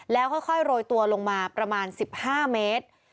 แล้วค่อยโรยตัวลงมาประมาณ๑๕เมตร